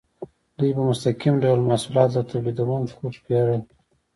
دوی په مستقیم ډول محصولات له تولیدونکو پیرل.